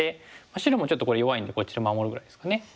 白もちょっとこれ弱いのでこちら守るぐらいですかね。